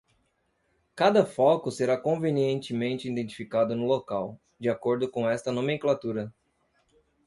Cada foco será convenientemente identificado no local, de acordo com esta nomenclatura.